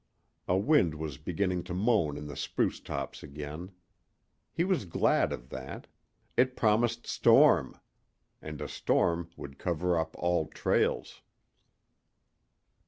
A wind was beginning to moan in the spruce tops again. He was glad of that. It promised storm. And a storm would cover up all trails.